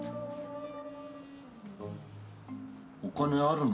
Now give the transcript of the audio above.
お金あるの？